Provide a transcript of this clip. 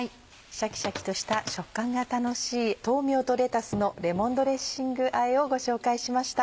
シャキシャキとした食感が楽しい「豆苗とレタスのレモンドレッシングあえ」をご紹介しました。